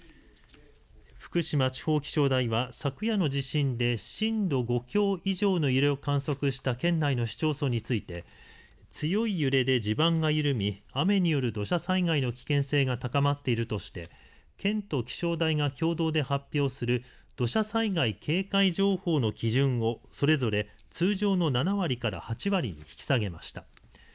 福島地方気象台は昨夜の地震で震度５強以上の揺れを観測した県内の市町村について強い揺れで地盤が緩み雨による土砂災害の危険性が高まっているとして県と気象台が共同で発表する土砂災害警戒情報の基準をそれぞれ通常の７割から８割に引き下げました。